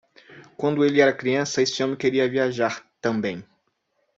Quando ele era criança, esse homem queria viajar? também.